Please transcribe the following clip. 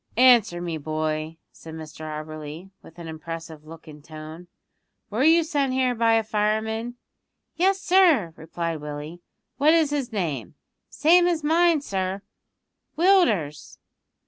"Answer me, boy," said Mr Auberly with an impressive look and tone; "were you sent here by a fireman?" "Yes, sir," replied Willie. "What is his name?" "Same as mine, sir Willders."